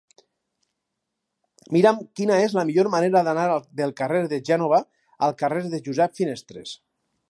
Mira'm quina és la millor manera d'anar del carrer de Gènova al carrer de Josep Finestres.